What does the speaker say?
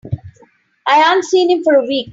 I ain't seen him for a week.